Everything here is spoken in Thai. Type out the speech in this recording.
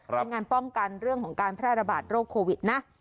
เป็นการป้องกันเรื่องของการแพร่ระบาดโรคโควิดนะ